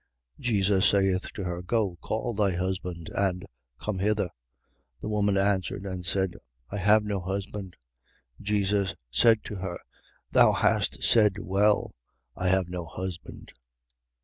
4:16. Jesus saith to her: Go, call thy husband, and come hither. 4:17. The woman answered and said: I have no husband. Jesus said to her: Thou hast said well: I have no husband.